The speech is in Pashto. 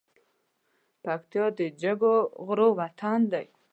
پکتيا د جګو غرو وطن دی